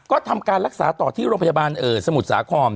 ก็ทำการรักษาต่อที่โรงพยาบาลสมุทรสาคร